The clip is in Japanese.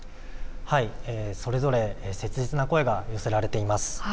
それぞれ切実な声が寄せられています。